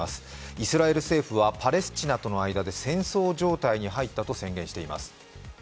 イスラエル政府はパレスチナとの間で戦争状態に入ったと宣言しています。